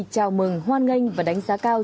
chào mừng hoan nghênh và đánh giá cao